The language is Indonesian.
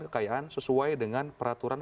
kekayaan sesuai dengan peraturan